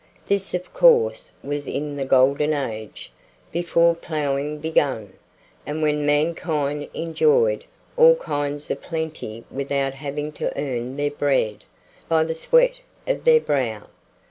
This, of course, was in the golden age, before ploughing began, and when mankind enjoyed all kinds of plenty without having to earn their bread "by the sweat of their brow."